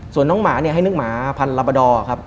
ส่วนน้องหมาให้นึกหมาพันธุ์ลับดอร์ครับ